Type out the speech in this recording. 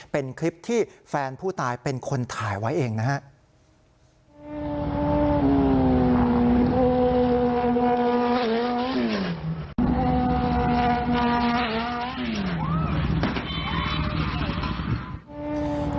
เป็นคลิปที่แฟนผู้ตายเป็นคนถ่ายไว้เองนะครับ